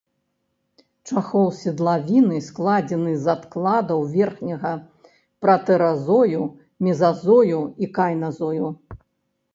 Чахол седлавіны складзены з адкладаў верхняга пратэразою, мезазою і кайназою.